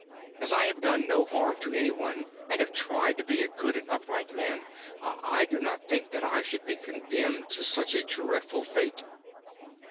As I have done no harm to anyone and have tried to be a good and upright man, I do not think that I should be condemned to such a dreadful fate."